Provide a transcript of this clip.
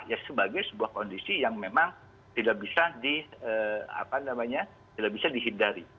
ya sebagai sebuah kondisi yang memang tidak bisa di apa namanya tidak bisa dihindari